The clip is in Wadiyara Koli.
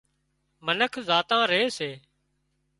منک زاتان ري سي